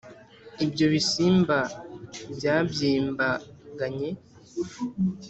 Ibyo bisimba byabyimbaganye